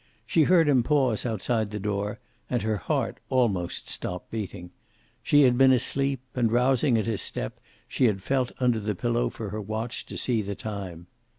She heard him pause outside the door, and her heart almost stopped beating. She had been asleep, and rousing at his step, she had felt under the pillow for her watch to see the time.